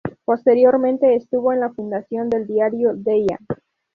Posteriormente estuvo en la fundación del diario Deia.